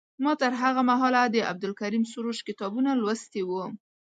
ما تر هغه مهاله د عبدالکریم سروش کتابونه لوستي وو.